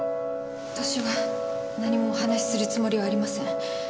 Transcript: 私は何もお話しするつもりはありません。